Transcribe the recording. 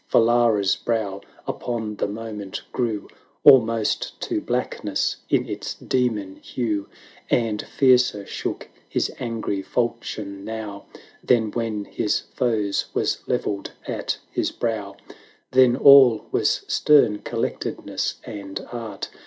For Lara's brow upon the moment grew Almost to blackness in its demon hue; And fiercer shook his angry falchion now 720 Than when his foe's was levelled at his brow; Then all was stern collectedness and art.